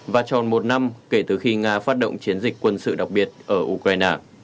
và tròn một năm kể từ khi nga phát động chiến dịch quân sự đặc biệt ở ukraine